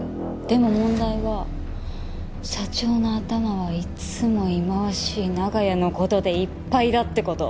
でも問題は社長の頭はいつも忌まわしい長屋の事でいっぱいだって事。